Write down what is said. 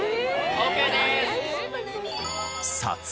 ・ＯＫです！